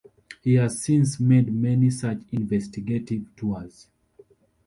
He has since made many such investigative tours.